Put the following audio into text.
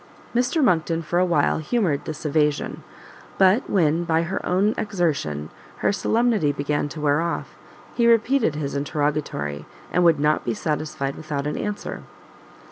Mr Monckton for a while humoured this evasion; but when, by her own exertion, her solemnity began to wear off, he repeated his interrogatory, and would not be satisfied without an answer.